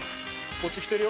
こっち来てるよ